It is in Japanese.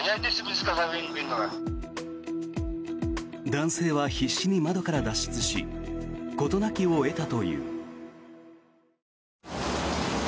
男性は必死に窓から脱出し事なきを得たという。